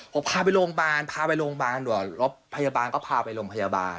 ผมพาไปโรงพยาบาลพาไปโรงพยาบาลรถพยาบาลก็พาไปโรงพยาบาล